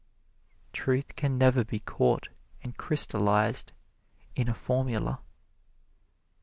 Truth can never be caught and crystallized in a formula.